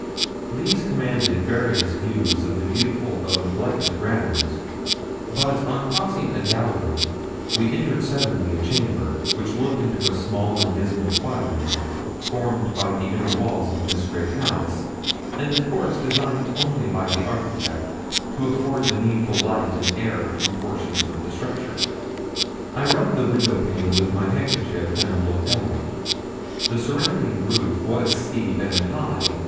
These commanded various views of the beautiful though neglected grounds; but on crossing a gallery we entered suddenly a chamber, which looked into a small and dismal quadrangle, formed by the inner walls of this great house, and of course designed only by the architect to afford the needful light and air to portions of the structure. I rubbed the window pane with my handkerchief and looked out. The surrounding roof was steep and high.